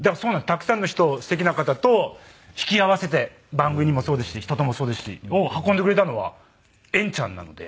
たくさんの人素敵な方と引き合わせて番組にもそうですし人ともそうですしを運んでくれたのは遠ちゃんなので。